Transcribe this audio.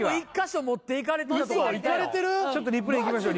ちょっとリプレイいきましょう